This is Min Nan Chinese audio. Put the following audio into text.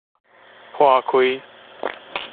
撥開